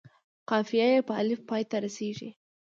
قافیه یې په الف پای ته رسيږي.